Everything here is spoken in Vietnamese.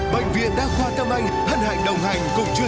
bệnh viện đăng khoa tâm anh